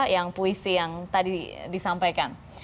yang puisi yang tadi disampaikan